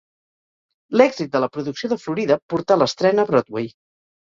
L'èxit de la producció de Florida portà l'estrena a Broadway.